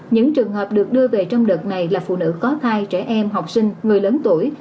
những trường hợp được đưa về trong đợt này là phụ nữ có thai trẻ em học sinh người lớn tuổi